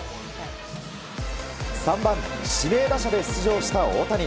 ３番指名打者で出場した大谷。